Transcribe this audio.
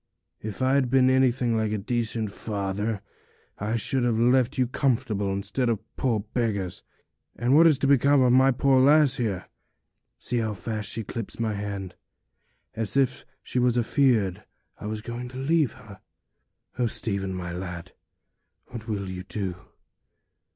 If I'd been anything like a decent father, I should have left you comfortable, instead of poor beggars. And what is to become of my poor lass here? See how fast she clips my hand, as if she was afeared I was going to leave her! Oh, Stephen, my lad, what will you all do?'